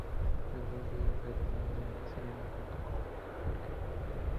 En algunas leyendas, es la madre de las sirenas, junto con Aqueloo.